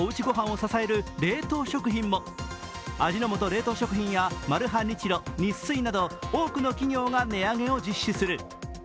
御飯を支える冷凍食品も味の素冷凍食品やマルハニチロニッスイなど多くの企業が値上げを実施する。